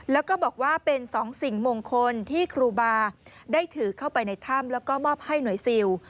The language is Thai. แล้วก็บอกว่าเป็นสองสิ่งมงคลที่ครูบาได้ถือเข้าไปในถ้ำแล้วก็มอบให้หน่วยซิล